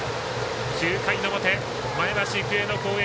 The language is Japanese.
９回の表、前橋育英の攻撃。